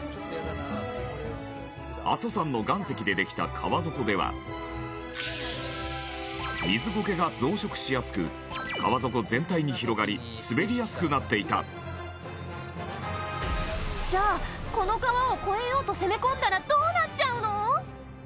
阿蘇山の岩石でできた川底では水ゴケが増殖しやすく川底全体に広がり滑りやすくなっていたじゃあ、この川を越えようと攻め込んだらどうなっちゃうの？